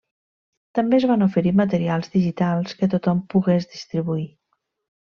També es van oferir materials digitals que tothom pogués distribuir.